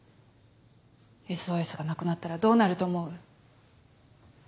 「ＳＯＳ」がなくなったらどうなると思う？